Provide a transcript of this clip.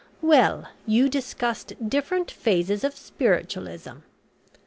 Well, you discussed different phases of spiritualism.